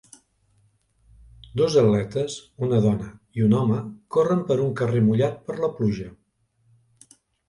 Dos atletes, una dona i un home corren per un carrer mullat per la pluja.